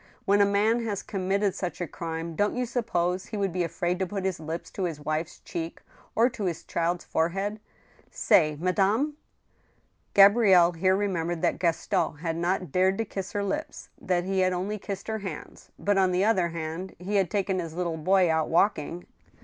. When a man has committed such a crime, don't you suppose he would be afraid to put his lips to his wife's cheek or to his child's forehead ? Say, madame ?" Gabrielle here remembered that Gaston had not dared to kiss her lips, that he had only kissed her hands. But, on the otho* hand, he had taken his little boy out walking.